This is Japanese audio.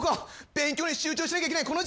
勉強に集中しなきゃいけないこの時期に。